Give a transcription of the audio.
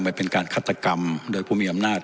เป็นการฆาตกรรมโดยผู้มีอำนาจ